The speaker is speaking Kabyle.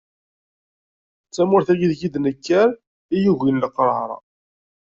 D tamurt-aki I deg i d nekker, i yugin leqrar.